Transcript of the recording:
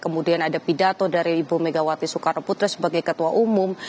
kemudian ada pidato dari ibu megawati soekarno putri sebagai ketua umum